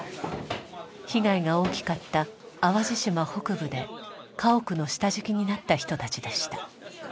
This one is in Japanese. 被害が大きかった淡路島北部で家屋の下敷きになった人たちでした。